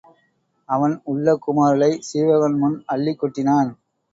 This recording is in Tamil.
அவன் உள்ளக் குமுறலைச் சீவகன் முன் அள்ளிக் கொட்டினான்.